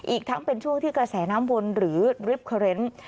อีกทั้งเป็นช่วงที่กระแสน้ำวนหรือริปเคอร์เรนต์